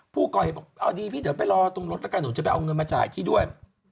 ผู้ก่อเหตุบอกเอาดีพี่เดี๋ยวไปรอตรงรถแล้วกันหนูจะไปเอาเงินมาจ่ายพี่ด้วย